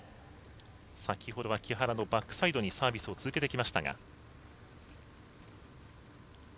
先ほどは木原のバックサイドにサービスを続けてきました。